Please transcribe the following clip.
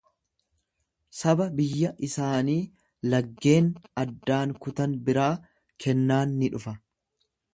Saba biyya isaanii laggeen addaan kutan biraa kennaan ni dhufa.